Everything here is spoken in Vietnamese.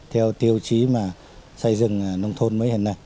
theo tiêu chí mà xây dựng nông thôn mới hiện nay